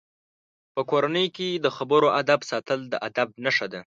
په کورنۍ کې د خبرو آدب ساتل د ادب نښه ده.